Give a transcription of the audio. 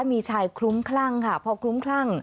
มีชายคลุ้มคลั่งค่ะพอคลุ้มคลั่ง